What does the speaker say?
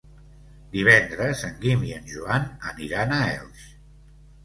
Divendres en Guim i en Joan aniran a Elx.